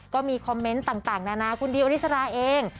ก็มีคอมเมนต์ต่างนานาคุณดิวอริสราเอง